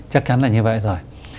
chắc chắn là như vậy rồi